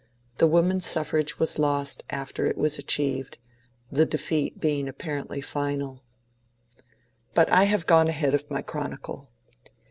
The woman suffrage was thus lost after it was achieved, the defeat being apparently final. But I have gone ahead of my chronicle.